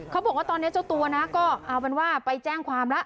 เขาบอกว่าตอนนี้เจ้าตัวนะก็เอาเป็นว่าไปแจ้งความแล้ว